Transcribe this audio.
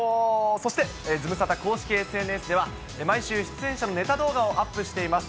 そしてズムサタ公式ＳＮＳでは、毎週、出演者のネタ動画をアップしています。